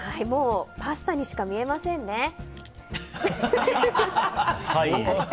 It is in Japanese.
もう、パスタにしか見えませんね。